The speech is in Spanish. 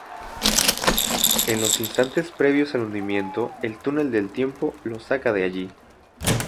En los instantes previos al hundimiento, el túnel del tiempo los saca de allí.